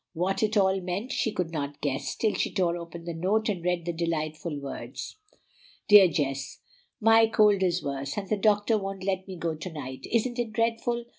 What it all meant she could not guess, till she tore open the note and read these delightful words: DEAR JESS, My cold is worse, and the doctor won't let me go to night. Isn't it dreadful?